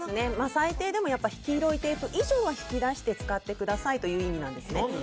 最低でも黄色いテープ以上は引き出して使ってくださいという意味なんですね。